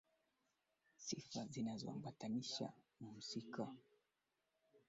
ambapo mjumbe wa sudan kusini ezekiel lol gatut